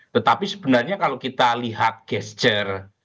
tetapi sebenarnya kalau kita lihat gesture